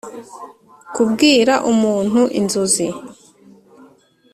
kubwira umuntu inzozi